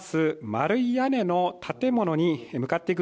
丸い屋根の建物に向かっていく